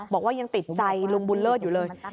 บอกว่ายังติดใจลุงบุญเลิศอยู่เลย